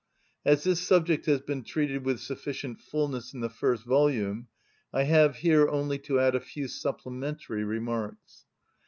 As this subject has been treated with sufficient fulness in the first volume, I have here only to add a few supplementary remarks.